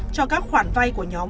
cho các khoản vay của nhóm